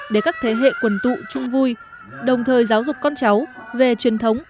để các thế hệ quần tụ chung vui đồng thời giáo dục con cháu về truyền thống